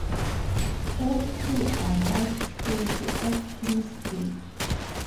Her crew arrived safely at Kingsbridge.